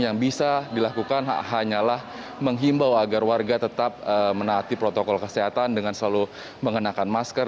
yang bisa dilakukan hanyalah menghimbau agar warga tetap menaati protokol kesehatan dengan selalu mengenakan masker